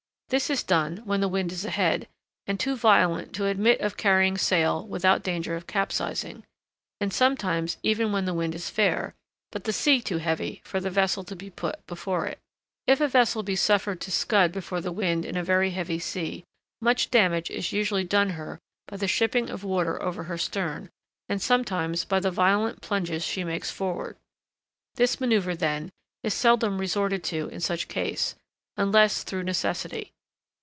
This is done when the wind is ahead, and too violent to admit of carrying sail without danger of capsizing; and sometimes even when the wind is fair, but the sea too heavy for the vessel to be put before it. If a vessel be suffered to scud before the wind in a very heavy sea, much damage is usually done her by the shipping of water over her stern, and sometimes by the violent plunges she makes forward. This manoeuvre, then, is seldom resorted to in such case, unless through necessity.